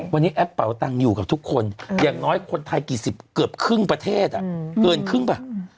วันนี้แอปเป่าตังค์อยู่กับทุกคนอย่างน้อยคนไทยกี่สิบเกือบครึ่งประเทศเกินครึ่งป่ะ